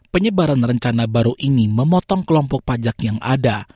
penyebaran rencana baru ini memotong kelompok pajak yang ada